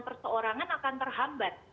perseorangan akan terhambat